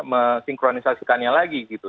mesinkronisasikannya lagi gitu